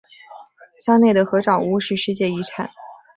乡内的合掌屋是世界遗产。